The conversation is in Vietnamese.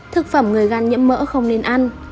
thực phẩm người gan nhiễm mỡ không nên ăn